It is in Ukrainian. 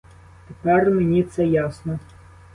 Тепер мені це ясно.